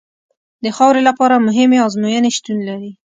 د خاورې لپاره مهمې ازموینې شتون لري